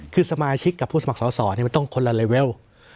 คือสมาชิกกับผู้สมัครสอสอมันต้องคนละเลเวล